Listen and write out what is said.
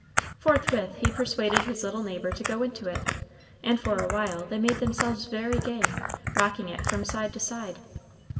Forthwith he persuaded his little neighbor to go into it, and for a while they made themselves very gay, rocking it from side to side.